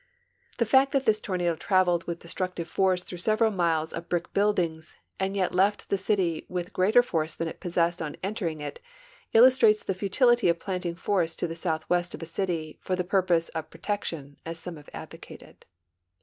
The fact that this tornado traveled with destructive force through several miles of brick buildings and yet left the city Avith greater force than it possessed on entering it illustrates the futility of planting forests to the southAvest of a city for the pur pose of protection, as some have advocated.